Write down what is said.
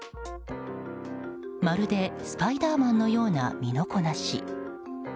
まるでスパイダーマンのような身のこなし。